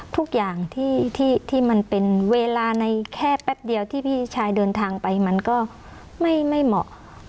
ทุกอย่างที่มันเป็นเวลาในแค่แป๊บเดียวที่พี่ชายเดินทางไปมันก็ไม่เหมาะ